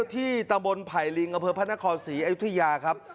ที่ตำรงภัยรินค์กระเพลิงภันครศรีอยูทิยาครับ